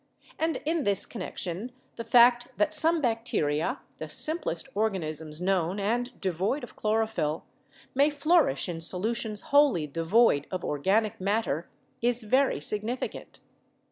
And in this connection the fact that some bacteria — the simplest organisms known and devoid of chloro phyll — may flourish in solutions wholly devoid of organic matter is very significant.